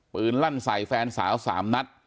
ลั่นใส่แฟนสาว๓นัด